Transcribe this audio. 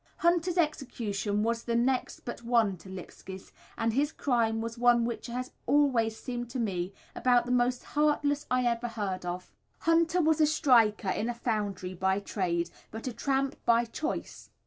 Hunter's execution was the next but one to Lipski's, and his crime was one which has always seemed to me about the most heartless I ever heard of. Hunter was a striker in a foundry by trade, but a tramp by choice.